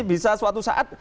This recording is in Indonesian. bisa suatu saat